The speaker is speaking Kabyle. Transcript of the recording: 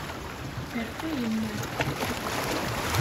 Terfa yemma.